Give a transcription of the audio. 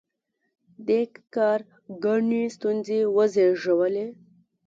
دې کار ګڼې ستونزې وزېږولې.